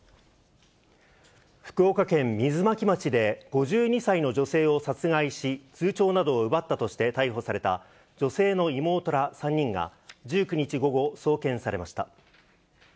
福岡県水巻町で、５２歳の女性を殺害し、通帳などを奪ったとして逮捕された、女性の妹ら３人が１９日午後、送検されました。